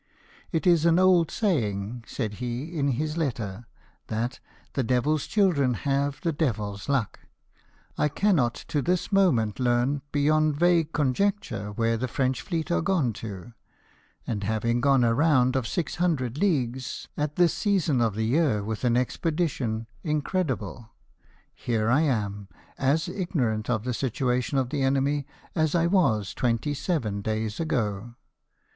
" It is an old saying," said he in his letter, " that ' the devil's children have the devil's luck.' I cannot to this moment learn, beyond vague conjecture, where the French fleet are gone to : and having gone a round of six hundred leagues, at this season of the year with an expedition incredible, here I am, as ignorant of the situation of the enemy as I was twenty seven days ago.